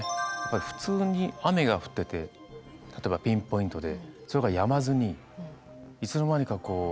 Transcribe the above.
普通に雨が降ってて例えばピンポイントでそれがやまずにいつの間にか水害になって。